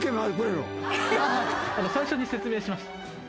最初に説明しました。